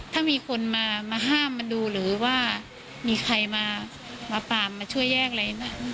ถ้ามีคนมาห้ามมาดูหรือว่ามีใครมาปามมาช่วยแยกอะไรนะ